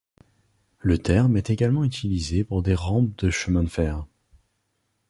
Le terme est également utilisé pour des rampes de chemin de fer.